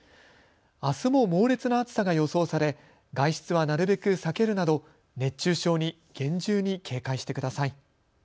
あすも猛烈な暑さが予想され外出はなるべく避けるなど熱中症に厳重に警戒してください。